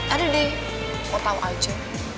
ada deh kau tau aja